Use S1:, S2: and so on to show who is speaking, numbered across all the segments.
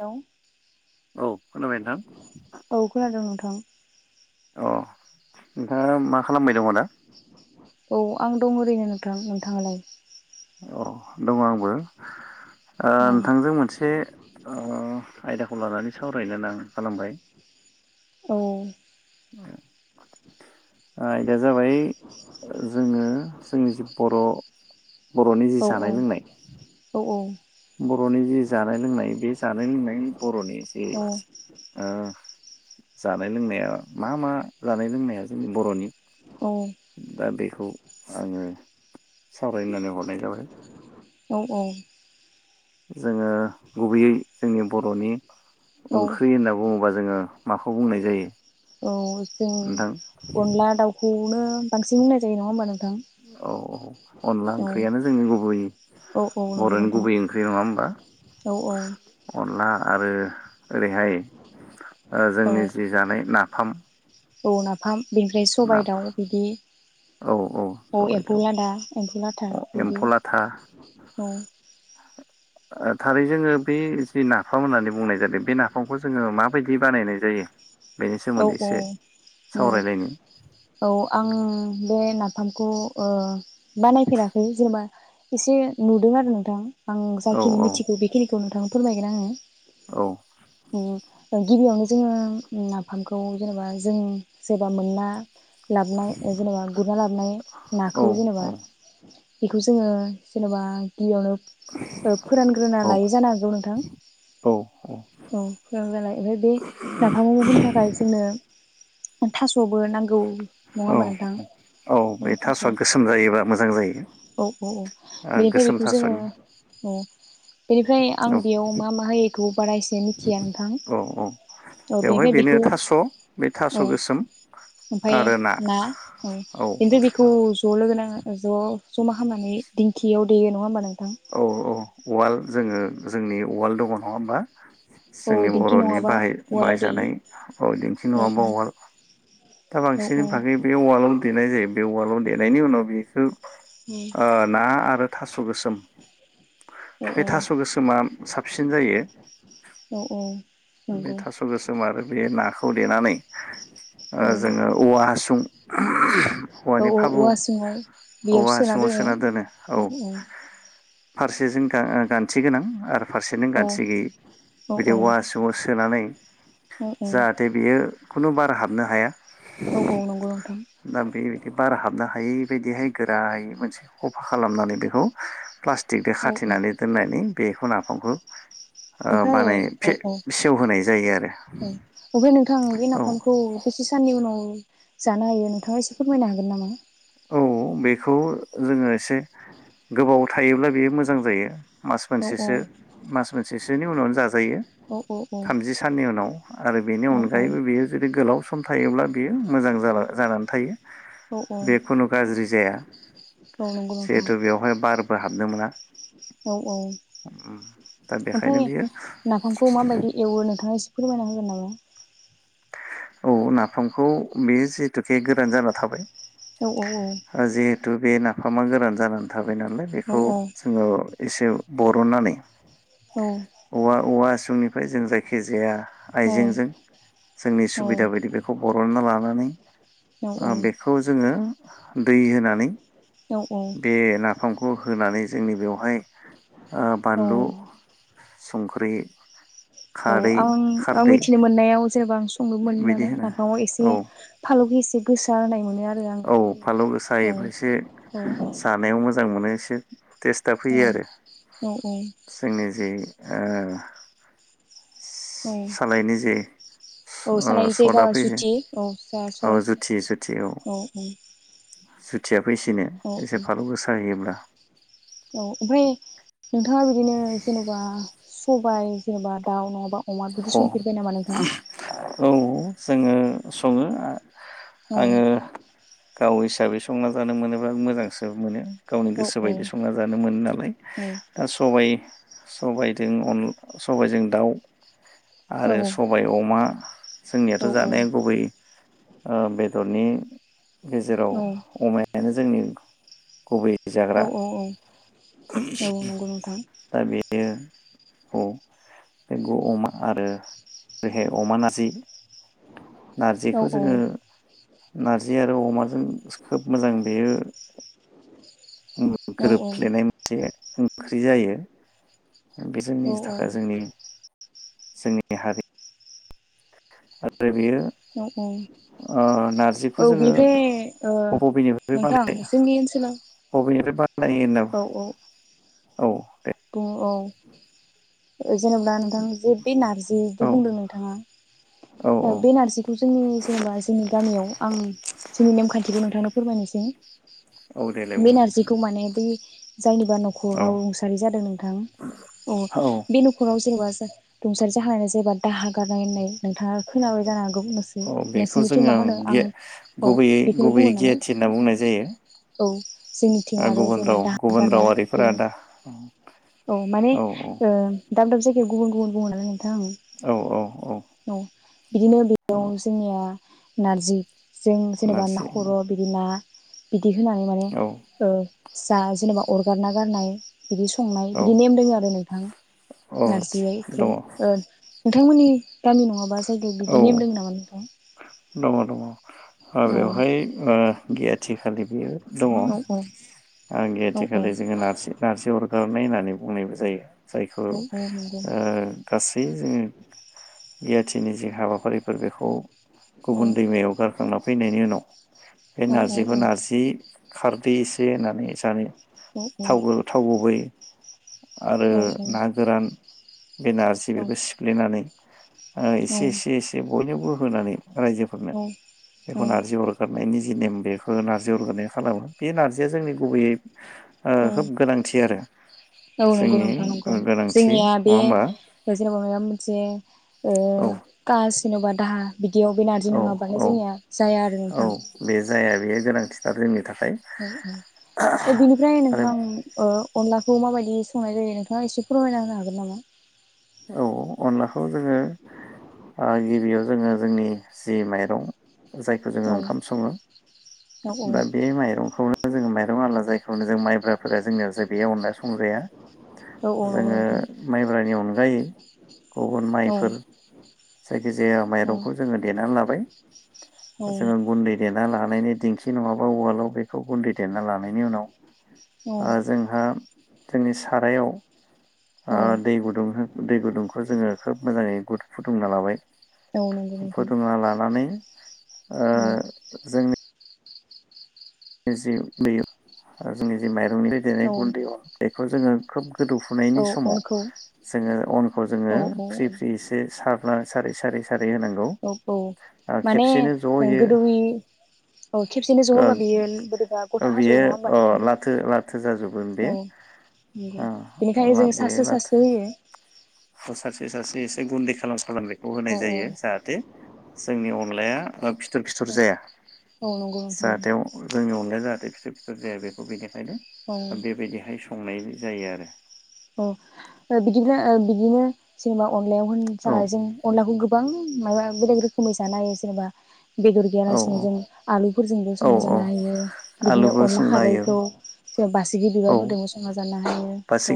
S1: Hello
S2: औ खोनाबाय नोंथां
S1: औ खोनादोंं नोंथां
S2: अ नोंथाङा मा खालामबाय दङ आदा
S1: औ आं दं ओरैनो नोंथां नोंथाङालाय
S2: औ दङ आंबो ओ
S1: औ
S2: नोंथांजों मोनसे ओ आयदाखौ लानानै सावरायनो [unintelligible] खालामबाय
S1: औ
S2: आयदाया जाबाय जोङो जोंनि जि बर' बर'नि जि
S1: औ औ
S2: जानाय लोंनाय
S1: औ
S2: बर'नि जि जानाय लोंनाय बे जानाय लोंनाय बर'नि एसे
S1: औ
S2: जानाय लोंनाया मा मा जानाय लोंनाया जोंनि बर'नि दा बेखौ आङो सावरायनो होननानै हरनाय जाबाय
S1: औ औ
S2: जोङो गुबैयै जोंनि बर'नि ओंख्रि होनना बुङोबा जोङो माखौ बुंनाय जायो
S1: औ
S2: नोंथां
S1: नो बांसिन बुंनाय जायो नङा होमबा नों
S2: औ औ अनला ओंख्रियानो जोंनि गुबै
S1: औ औ नंगौ
S2: बर'नि
S1: नोंथां
S2: गुबै ओंख्रि नङा होमबा
S1: औ औ
S2: अनला आरो [inaudible] ओरैहाय ओ
S1: औ
S2: जोंनि जि जानाय नाफाम
S1: औ नाफाम बेनिफ्राय
S2: ना
S1: सबायाइ दाउ बिदि
S2: औ
S1: औ
S2: सबाइ
S1: एम्फौ
S2: दाउ
S1: लादा एम्फौ लाथा बिदि
S2: एम्फौ लाथा
S1: औ
S2: आ थारै जोङो बे जि नाफाम होननानै बुंनाय बे नाफामखौ जोङो माबायदि बानायनाय जायो बेनि
S1: औ
S2: सोमोन्दै
S1: औ
S2: एसे सावरायलायनि
S1: औ आं बे नाफामखौ ओ बानायफेराखै जेबा एसे नुदों आरो नोंथां आं
S2: औ
S1: जायखिनि
S2: औ
S1: मिथिगौ बेखिनि खौ नोंथांनो फोरमायगोन आङो
S2: औ
S1: उम गिबियावनो जोङो नाफ फामखौ जेनेबा जों सोरबा मोना लाबनाय जेनेबा गुरना लाबनाय
S2: औ
S1: नाखौ जेनेबा बेखौ जोङो जेन'बा गिबियावनो ओ फोरानग्रोना
S2: औ
S1: लायो जानो हागौ नोंथां औ फोरानग्रा लायो ओमफाय बे [unintelligible] फाय जोङो अ थास' खौबो नांगौ नङा
S2: औ
S1: होमबा नोंथां औ
S2: बे
S1: थास'
S2: थास'आ
S1: औ
S2: गोसोम जायोबा मोजां जायो
S1: औ औ
S2: ओ
S1: बेनिफ्राय
S2: गोसोम
S1: बेखौ जोङो
S2: थास'नि
S1: औ बेनिफ्राय आं
S2: औ
S1: बेयाव मा मा होयो इखौ बारा एसे मिथिया नोंथां
S2: औ औ
S1: औ
S2: बेवहाय
S1: बेबायदि
S2: बेनो
S1: औ
S2: थास' बे थास' गोसोम
S1: ओमफाय ना औ बेनिफ्राय बेखौ ज' लोगो नाङो ज' ज'मा खालामनानै दिंखियाव देयो नङा होमबा नों
S2: औ औ उवाल जोङो जोंनि उवाल दङ नङा होमबा
S1: औ
S2: जोंनि
S1: दिंखि
S2: बर'नि
S1: नङाबा
S2: बाहाय
S1: उवालाव
S2: बाहायजानाय
S1: देयो
S2: औ दिन्थि
S1: औ
S2: नङाबा उवाल दा
S1: औ
S2: बांसिन बागै बे उवालावनो देनाय जायो बे उवालाव देनायनि उनाव बेखौ ओ ना आरो थास' गोसोम
S1: औ
S2: बे
S1: औ
S2: थास' गोसोमा साबसिन जायो
S1: औ औ
S2: बे
S1: नंगौ
S2: थास' गोसोम आरो बे नाखौ देनानै
S1: औ औ औ
S2: ओ जोङो औवा हासुं औवानि फाबु
S1: औवा हासुंङाव बेयाव
S2: औवा
S1: सोना
S2: हासुङाव
S1: दोनो
S2: औ
S1: उ उ
S2: फारसेजों गा-गानथि गोनां आरो फारसेजों
S1: औ
S2: गानथि गैयि
S1: औ
S2: बिदि
S1: औ
S2: औवा हासुंङाव सोनानै
S1: औ औ
S2: जाहाथे बियो खुनु बार हाबनो हाया
S1: औ औ नंगौ नोंथां
S2: दा बेबायदि बार हाबनो हायि बिदिहाय गोरायै मोनसे खफा खालामनानै बेखौ प्लास दिगदो
S1: औ औ
S2: खाथेनानै दोननानै बेखौ नाफामखौ ओ
S1: ओमफ्राय
S2: बानाय
S1: औ
S2: फे
S1: औ औ
S2: सेवहोनाय जायो आरो
S1: ओमफाय नोंथां बे
S2: औ
S1: नाफामखौ बेसे साननि उनाव जानो हायो नोंथाङा एसे फोरमायनो हागोन नामा?
S2: औ बेखौ जोङो एसे गोबाव थायोब्ला बेयो मोजां जायो मास
S1: औ औ
S2: मोनसेसो मास मोनसेसोनि उनावनो जाजायो
S1: औ औ
S2: थामजि साननि उनाव आरो बेनि अनगायैबो
S1: औ
S2: बियो जुदि गोलाव सम थायोब्ला बियो मोजां जाना जानानै थायो
S1: औ
S2: बे खुनु गाज्रि जाया
S1: औ नंगौ नोंथां
S2: जिहेथु बेवहाय बारबो हाबनो मोना
S1: औ औ
S2: [unintelligible]
S1: ओमफ्राय
S2: बियो
S1: नाफामखौ मा बायदि एवो नोंथा फोरमायना होगोन नामा?
S2: औ, नाफामखौ बे जिहेतुके गोरान जाना थाबाय
S1: औ औ औ।
S2: थु बे नाफामा गोरान जागोन थाबाय नालाय
S1: औ
S2: बेखौ जोङो एसे बरननानै औवा-औवा हासुंनिफ्राय जों जायखिजाया
S1: औ
S2: आइजेंजों जोंनि
S1: औ
S2: सुबिदा
S1: औ
S2: बायदि बेखौ बर'ना लानानै ओ बेखौ जोङो [unintelligible] दै होनानै बे नाफाम खौ होनानै जोंनि बेयाव फ्राय ओ बानलु, संख्रि,
S1: औ,
S2: खारै
S1: आं आं
S2: खारदै
S1: मिथिनो मोननायाव जेनेबा आं संनो मोनो
S2: बिदि
S1: नालाय
S2: होनो
S1: नाफामाव एसे
S2: औ
S1: फालौखौ एसे गोसा [unintelligible]
S2: औ, फालौ
S1: औ
S2: गोसायोब्लासो
S1: औ
S2: जानायाव मोजां मोनो। एसे टेस्टआ फैयो
S1: औ
S2: आरो
S1: औ औ
S2: जोंनि जि ओ
S1: औ
S2: सालायनि जे
S1: औ [unintelligible]
S2: ओ सदा
S1: जायगा
S2: फैयो
S1: सुथि औ जा
S2: औ
S1: सथ औ औ।
S2: सुथिया फैसिनो
S1: औ
S2: एसे
S1: औ
S2: फालौ गोसा होयोब्ला।
S1: औ ओमफ्राय नोंथाङा बिदिनो जेनबा सबाय जेनेबा दाउ नङाबा। अमा बिदि
S2: अ औ।
S1: संफेरबाय नामा नोंथां?
S2: जोङो संङो
S1: औ
S2: आङो गाव हिसाबै संना जानो मोनोब्ला मोजांसो मोनो। गावनि
S1: औ
S2: गोसो बायदि संना जानो मोनो नालाय
S1: औ
S2: दा सबाइ सबायाइजों अन सबायाइजों दाउ। आरो
S1: औ
S2: सबाय अमा जोंनियाथ'
S1: औ
S2: जानाया गुबै। ओ बेदरनि गेजेराव
S1: औ
S2: अमायानो जोंनि गुबै
S1: औ
S2: जाग्रा
S1: औ औ औ नंगौ नोंथां
S2: दा बे ए अ [inaudible] अमा आरो बेहाय अमा नारजि
S1: औ
S2: नार्जिखौ जोङो नारजि आरो अमाजों खोब मोजां बेयो उम
S1: औ
S2: गोरोब फ्लेनाय मोनसे ओंख्रि जायो बे जोंनि
S1: औ
S2: थाखाय जोंनि जोंनि हारि आरो बेयो
S1: औ
S2: ओ
S1: औ
S2: नारजिखौ
S1: बिनिफ्राय ओ
S2: जोङो बबेनिफ्राय
S1: नोंथां
S2: बानाय
S1: जोंनि ओनसोलाव
S2: बबेनिफ्राय बानायो होनना औ
S1: ग औ जेनेबा नोंथां जे बे नारजि बिदि
S2: औ
S1: बुंदों नोंथाङा
S2: औ
S1: ओ बे नारजिखौ जोंनि जेनेबा जोंनि गामियाव आं जोंनि नेमखान्थिखौ नोंथांनो फोरमायनोसै
S2: औ देलाय
S1: बे
S2: बुंलाय नोंथां
S1: नारजिखौ माने बै जायनिबा
S2: औ
S1: न'खराव रंस जादों नोंथां औ बे न'खराव जेनेबा रुंसारि जाहानो जेनबा दाहा गारनाय होननाय नोंथाङा खैनाबाय जानो हागौ नोंसोर
S2: औ बेखौ
S1: नोंसोरनिथि मा
S2: जोङो
S1: होनो आं
S2: गे
S1: औ
S2: गुबैयै
S1: बेखौनो बुङो
S2: गुबैयै
S1: नालाय
S2: गियाथि होनना बुंनाय जायो
S1: औ जोंनिथिं
S2: ओ
S1: आरो
S2: गुबुन
S1: जेनेबा
S2: राव
S1: दाहा
S2: गुबुन
S1: गारनाय बे
S2: रावारिफोरा दा
S1: औ माने ओ दाब दाब जायगायाव गुबुन गुबुन बुङो नोंथां
S2: औ औ औ
S1: बिदिनो
S2: औ
S1: बेयाव जोंनिया नारजि जों जेनेबा ना
S2: नारजि
S1: खर' बिदि ना दिहुनानै माने
S2: औ
S1: जा जेनेबा अरगारना गारनाय बिदि संनाय
S2: औ
S1: बिदि नेम दोङ आरो नोंथां
S2: आदसा
S1: नारजिखौ
S2: दङ
S1: नोंथांमोननि गामि नङाबा बिदि
S2: औ
S1: नेम दों नामा नोंथां?
S2: दङ दङ ओ
S1: औ
S2: बेवहाय ओ गैयाथिखालि बेयो दङ ओ
S1: औ औ औ
S2: गिथिखालि जोङो नारसि-नारजि अरगारनाय होननानै बुंनायबो जायो जायखौ ओ
S1: औ औ नंगौ
S2: गासै जों गियाथि नि जे हाबाफारिफोर बेखौ
S1: औ
S2: गुबुन दैमायाव गारखांना फैनायनि उनाव बे
S1: औ
S2: नारजिखौ
S1: औ
S2: नारजि खारदै एसे होनानै
S1: औ
S2: [unintelligible]
S1: औ
S2: थावबो थाव गुबै आरो ना गोरान बे नारजि बेखौ सिफ्लेनानै ओ एसे एसे एसे बयनोबो बो होनानै रायजोफोरनो बेखौ नारजि अर गारनायनि जि नेम बेखौ नारजि अरगानाय खालामो बे नारजिया जोंनि गुबैयै खोब गोनांथि आरो
S1: ओम औ नंगौ
S2: जोंनि
S1: नोंथां नंगौ
S2: गोनांथि
S1: जोंनिया
S2: नङा
S1: बे
S2: होमबा
S1: [unintelligible] मोनसे ओ
S2: औ
S1: खास जेनबा दाहा बिदियाव बे नारजि
S2: औ
S1: नङाबानो
S2: औ
S1: जोंनिया जाया आरो
S2: औ
S1: नोंथां
S2: बे जाया बेयो गोनांथिथार जोंनि थाखाय
S1: ओम ओम ओ बिनिफ्राय
S2: आरो
S1: नोंथां ओ अनलाखौ माबायदि संनाय जायो नोंथाङा एसे फोरमायना होनो हागोन नामा?
S2: औ अनला जोङो ओ गिबि याव जोङो जोंनि जि माइरं जायखौ जोङो
S1: औ
S2: ओंखाम सङो
S1: औ
S2: दा बे माइरंखौनो जोङो माइरं आलला जायखौनो जों माइब्राफोरा जोंनियाव जे बेयाव अनला संजाया
S1: औ औ नंगौ
S2: जोङो
S1: नोंथां
S2: माइब्रानि अन गुबुन
S1: औ
S2: माइफोर जा जे
S1: औ
S2: माइरंखौ जोङो देनानै लाबाय
S1: औ
S2: जोङो गुन्दै देना लानायनि दिंखि नङाबा अवालाव बे बेखौ गुन्दै देना लानायनि उनाव
S1: औ
S2: ओ जोंहा जोंनि सारायाव ओ
S1: औ
S2: दै गुदुं हो गुदुंखौ जोङो खोब मोजाङै गुद फुदुंना लाबाय
S1: औ नंगौ नोंथां
S2: फुदुंना लानानै ओ
S1: औ
S2: जोंनि जि दैयो आरो जोंनि जि माइ रंनि दैदोनो
S1: औ
S2: गुन्दैआव बेखौ जोङो खोब गोदौ फुनायनि
S1: औ
S2: समाव
S1: अनखौ
S2: जोङो अनखौ
S1: औ
S2: जोङो फ्रि फ्रि एसे सार सारै सारै सारै होनांगौ
S1: औ औ
S2: ओ
S1: माने
S2: खेबसेनो ज'यो
S1: गोदौै औ खेबसेनो जहोबा बेयो बोरैबा गथा हाजोबो
S2: बेयो
S1: नङा होमबा
S2: अ
S1: नोंथां
S2: लाथो लाथो जाजोबगोन बे
S1: औ नंगौ बेनिखायनो
S2: ओं
S1: जों सास्रो सास्रो होयो
S2: बेब्लाथो सारसो सारसो एसे गुन्दै खालाम सारांनायखौ
S1: औ
S2: होनाय जायो। जाहाथे जोंनि अनलाया ओ फिद फिथर फिथर
S1: औ
S2: जाया
S1: औ नंगौ नोंथां
S2: जाहाथे जोंनि अनलाया जाहाथे फिथर फिथर जाया बेखौ बिनो ओंखायनो बेबायदिहाय संनाय आरो
S1: अ बिदिब्ला बिदिनो सिमाव अनलायाव होनो
S2: औ
S1: थाखाय जों अनलाखौ गोबां माबा बेलेग रोखोमै जानो हायो जेनेबा बेदर
S2: औ
S1: गैयालासिनो जों आलुफोरजोंबो
S2: औ
S1: संना जानो
S2: औ
S1: हायो बिदिनो
S2: आलुबो
S1: अनला
S2: सोमना होयो
S1: खारैखौ जों बासिगि
S2: औ
S1: बिबारफोरजोंबो संना जानो हायो। औ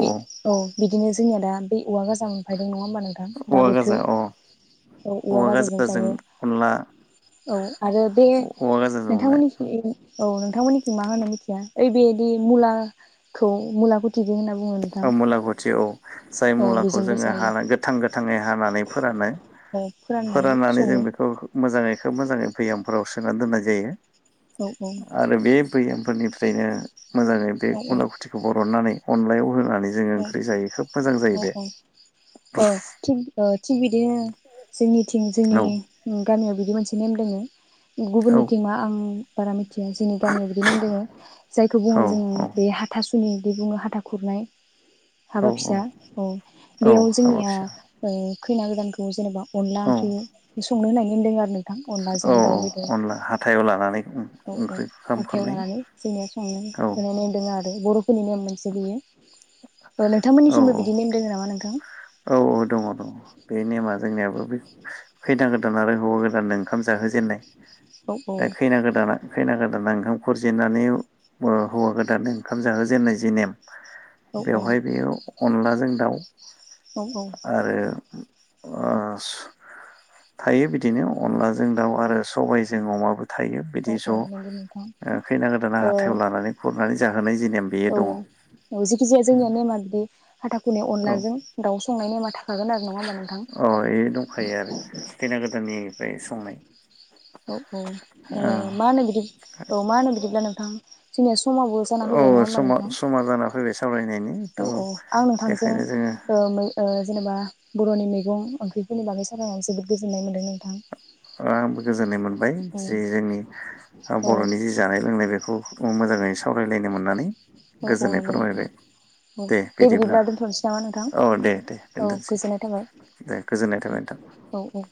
S1: बि औ बिदिनो जोंनिया दा बे औवा गोजां मोनफायदों नङा होमबा नोंथां दा
S2: औवा
S1: बोथोर
S2: गाजा औ औवा गाजाजों अनला
S1: औ आरो बे
S2: औवा गाजाजों अनला
S1: नोंथांमोननिखै औ नोंथांमोननिखै मा होनो मिथिया ओइ बेदि मुलाखौ मुला गुदि
S2: औ मुलागुथि औ जाय
S1: औ
S2: मुलाखौ
S1: बेजोंबो
S2: जोङो
S1: जायो
S2: हाना गोथां गोथाङै हानानै फोरानो
S1: औ
S2: फोराननानै जों
S1: सङो
S2: बेखौ मोजाङै बेखौ मोजाङै बैयामफोराव सोनानै दोननाय जायो।
S1: औ
S2: आरो बे बैयाम फोरनिफ्रायनो मोजाङै बे
S1: औ
S2: गुला खुथिखौ बरननानै अनलायाव [unintelligible] जों ओंख्रि
S1: औ
S2: जायो खोब मोजां जायो
S1: औ
S2: बे।
S1: औ ओ थिग ओ थिग बिदिनो जोंनि
S2: औ
S1: जोंनि गामियाव बि बिदि मोनसे नेम दोङो
S2: औ
S1: गुबुननिथिं मा आं बारा मि जोंनि गामियाव बिदि नेम दोङो जायखौ
S2: औ
S1: बुङो जोङो
S2: औ
S1: बे हाथा सु दि बुंङो हाथा खुरनाय
S2: औ
S1: हाबा
S2: औ
S1: फिसा औ
S2: औ
S1: बेयाव
S2: हाबा
S1: जोंनिया
S2: फिसा
S1: ओ खैना गोदानखौ जेनेबा अनला
S2: औ
S1: ओंख्रि संनो होनाय नेम दोङो आरो थां
S2: औ
S1: अनलाजों दाउ बेदर
S2: अनला हाथायाव लानानै
S1: औ औ
S2: ओंख्रि
S1: हाथायाव
S2: ओंखामखौलाय
S1: लानानै जोंनिया संनानै
S2: औ
S1: होनाय नेम दं आरो बर' फोरनि नेयम मोनसे बियो औ नोंथांमोननिसिमबो बिदि नेमदों नामा मा नोंथां
S2: औ औ दङ दङ बे नेमा जोंनियाबो बे फैनांगोन गो आरो हौवा गोदाननो ओंखाम जाहो जेननाय
S1: औ
S2: दा खैना गोदाना खैना गोदाना ओंखाम खुरजि जेनानै ओ हौवा गोदान ओंखाम जाहो जेननाय जि नेम
S1: औ
S2: बेवहाय बेयो अनलाजों जों दाउ
S1: औ औ
S2: आरो ओ थायो बिदिनो अनलाजों दाउ आरो सबायजों अमाबो थायो बिदि
S1: औ
S2: ज' ओ
S1: औ नंगौ नोंथां
S2: खैना गोदाना
S1: ओ
S2: हाथायाव लानानै खुरनानै जाहोनाय जि नेम बेयो
S1: औ
S2: दङ
S1: औ ओ जेखि जाया जोंनिया नेमा बिदि हाथा खुरनाय अनलाजों दाउसा बुंंनायनि ने माथा
S2: अ एयो दंखायो आरो खैना गोदाननिफ्राय संनाय
S1: औ औ ओ मा
S2: औ
S1: होनो बिदि ओ मा होनो बिदिब्ला नोथां जोंनिया समाबो जाना फैबाय नङा
S2: औ
S1: होमबा
S2: समा
S1: नोंथां
S2: समा जाना फैबाय सावरायनायनि थ'
S1: औ औ आं
S2: बेखायनो जोङो
S1: नोंथांजों मै ओ जेनेबा बर'नि मैगं ओंख्रिफोरनि बागै सावरायनायाव जोबोद गोजोननाय मोन्दों नोंथां
S2: आंबो गोजोननाय मोनबाय जि जोंनि
S1: औ
S2: बर'नि जि जानाय लोंनाय बेखौ मोजाङै सावरायलायनो मोननानै
S1: औ औ
S2: गोजोननाय
S1: नंगौ नोंथां
S2: फोरमायबाय
S1: औ दे बिदिब्ला दोन्थ'नोसै नामा
S2: औ दे दे
S1: नोंथां औ
S2: दोनथ'सै
S1: गोजोननाय
S2: दे गोजोननाय नोंथां
S1: थाबाय औ औ